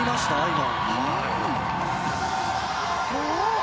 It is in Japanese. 今。